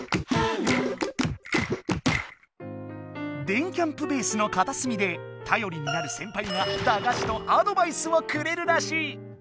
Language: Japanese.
⁉電キャんぷベースの片隅でたよりになる先ぱいが駄菓子とアドバイスをくれるらしい。